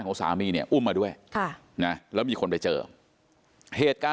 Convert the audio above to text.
คือสิ่งที่เราติดตามคือสิ่งที่เราติดตาม